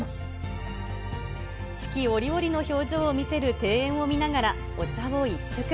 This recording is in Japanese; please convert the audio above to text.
四季折々の表情を見せる庭園を見ながらお茶を一服。